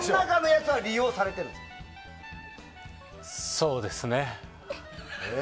そうですね。